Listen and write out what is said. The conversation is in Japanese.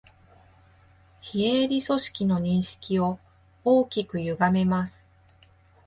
非営利組織の認識を大きくゆがめます